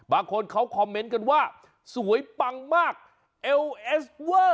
บางคนเขาคอมเมนต์กันว่าสวยปังมากเอลเอสเวอร์